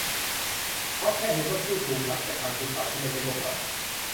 เพราะแค่เห็นว่าผู้ถูกรัฐกระทำคือฝ่ายที่ไม่ใช่พวกเรา